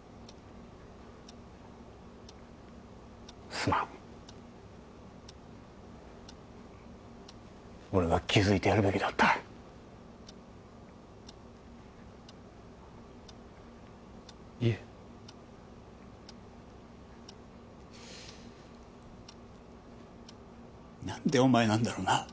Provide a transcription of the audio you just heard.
・すまん俺が気付いてやるべきだったいえなんでお前なんだろうな